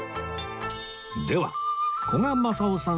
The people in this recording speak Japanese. では古賀政男さん